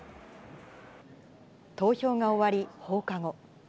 投票が終わり、放課後。